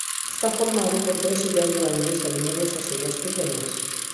Está formado por tres illas grandes e numerosas illas pequenas.